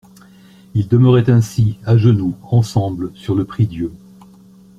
Ils demeuraient ainsi, à genoux, ensemble, sur le prie-dieu.